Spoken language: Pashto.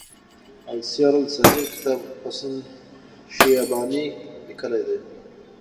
السير الصغير کتاب حسن الشيباني ليکی دی.